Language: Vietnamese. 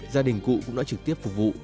gia đình cụ cũng đã trực tiếp phục vụ